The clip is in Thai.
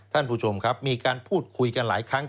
ท่านผู้ชมครับมีการพูดคุยกันหลายครั้ง